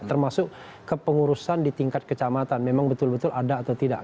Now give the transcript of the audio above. termasuk kepengurusan di tingkat kecamatan memang betul betul ada atau tidak